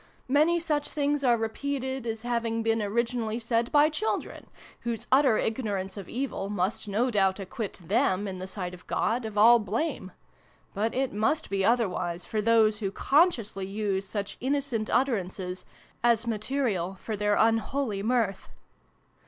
Many such things are repeated as having been originally said by children, whose utter ignorance of evil must no doubt acquit them, in the sight of God, of all blame ; but it must be otherwise for those who consciously use such innocent utterances as material for their unholy mirth.